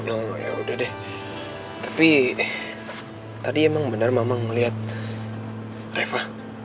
oh yaudah deh tapi tadi emang bener mama ngeliat reva